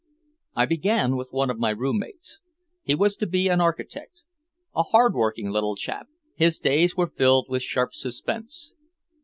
I began with one of my roommates. He was to be an architect. A hard working little chap, his days were filled with sharp suspense.